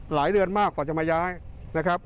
เดือนมากกว่าจะมาย้ายนะครับ